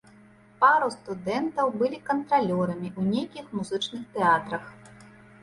Пару студэнтаў былі кантралёрамі ў нейкіх музычных тэатрах.